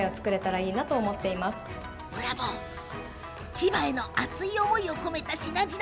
千葉への熱い思いを込めた品々。